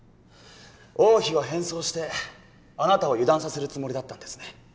王妃は変装してあなたを油断させるつもりだったんですね。